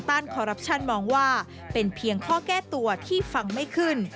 คอรัปชั่นมองว่าเป็นเพียงข้อแก้ตัวที่ฟังไม่ขึ้น